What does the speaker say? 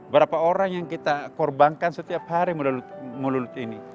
berapa orang yang kita korbankan setiap hari melulut ini